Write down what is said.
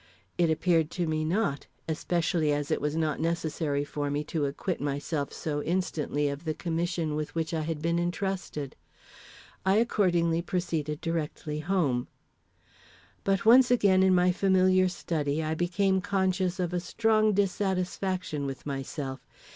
It appeared to me not, especially as it was not necessary for me to acquit myself so instantly of the commission with which I had been intrusted. I accordingly proceeded directly home. But once again in my familiar study, I became conscious of a strong dissatisfaction with myself.